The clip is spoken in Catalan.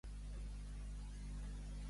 De què és director Hwang Woo-Suk?